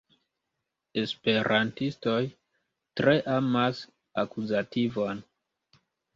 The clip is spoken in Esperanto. Esperantistoj tre amas akuzativon.